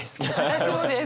私もです。